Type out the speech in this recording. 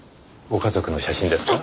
ご家族の写真ですか？